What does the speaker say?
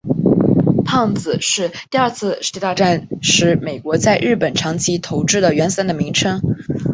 胖子是第二次世界大战时美国在日本长崎投掷的原子弹的名称。